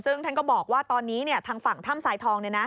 ซึ่งท่านก็บอกว่าตอนนี้ทางฝั่งถ้ำสายทอง